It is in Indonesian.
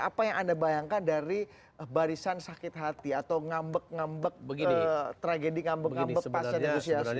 apa yang anda bayangkan dari barisan sakit hati atau ngambek ngambek tragedi ngambek ngambek pasca negosiasi